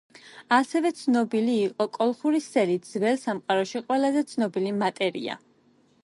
ასევე ცნობილი იყო კოლხური სელი, ძველ სამყაროში ყველაზე ცნობილი მატერია.